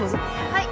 はい。